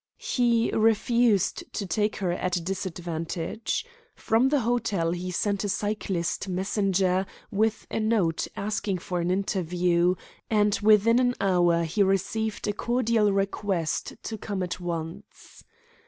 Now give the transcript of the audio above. He refused to take her at a disadvantage. From the hotel he sent a cyclist messenger with a note asking for an interview, and within an hour he received a cordial request to come at once.